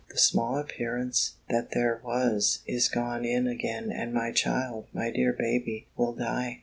the small appearance that there was is gone in again: and my child, my dear baby, will die!